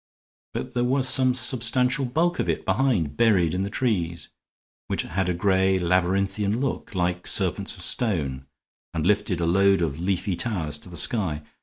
But there was some substantial bulk of it behind, buried in the trees, which had a gray, labyrinthian look, like serpents of stone, and lifted a load of leafy towers to the sky.